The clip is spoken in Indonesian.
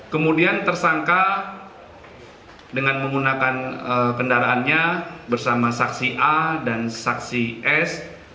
kemudian tersangka dengan menggunakan kendaraannya bersama saksi a dan saksi s